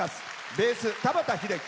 ベース、田畑秀樹。